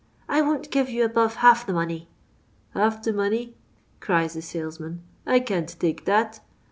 " I won't give you above luUf the money." " Half de money," cries the saliwan, " I can't take dat.